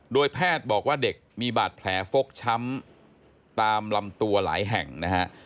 โดยแพทย์บอกว่าเด็กมีบาดแผลฟกช้ำตามลำตัวหลายแห่งนะฮะ